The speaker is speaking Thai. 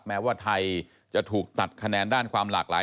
แม้ว่าไทยจะถูกตัดคะแนนด้านความหลากหลาย